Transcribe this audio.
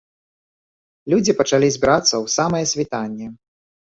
Людзі пачалі збірацца ў самае світанне.